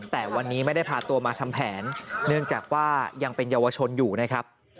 แต่วันนี้ไม่ได้พาตัวมาทำแผนเนื่องจากว่ายังเป็นเยาวชนอยู่นะครับ